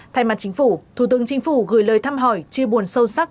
thay mặt chính phủ thủ tướng chính phủ gửi lời thăm hỏi chia buồn sâu sắc